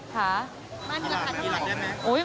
บ้านเมืองมีราคาเท่านั้นไหม